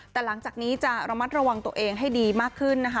แต่หลังจากนี้จะระมัดระวังตัวเองให้ดีมากขึ้นนะคะ